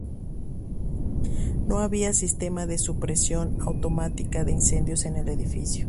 No había sistemas de supresión automática de incendios en el edificio.